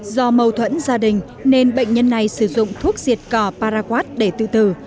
do mâu thuẫn gia đình nên bệnh nhân này sử dụng thuốc diệt cỏ paraq để tự tử